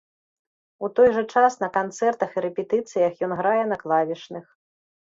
У той жа час на канцэртах і рэпетыцыях ён грае на клавішных.